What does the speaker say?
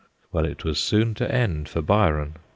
Well, it was soon to end for Byron.